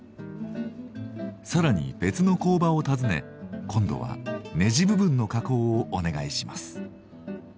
更に別の工場を訪ね今度はネジ部分の加工をお願いします。